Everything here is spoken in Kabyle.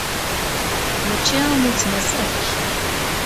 Mačči am uletma-s akk.